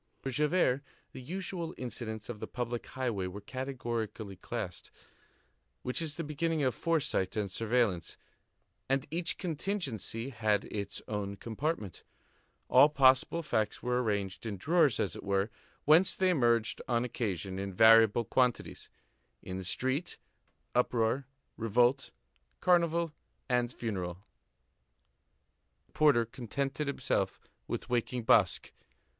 For Javert, the usual incidents of the public highway were categorically classed, which is the beginning of foresight and surveillance, and each contingency had its own compartment; all possible facts were arranged in drawers, as it were, whence they emerged on occasion, in variable quantities; in the street, uproar, revolt, carnival, and funeral. The porter contented himself with waking Basque.